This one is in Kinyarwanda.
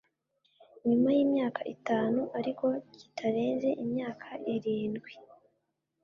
nyuma yimyaka itanu ariko kitarenze imyaka irindwi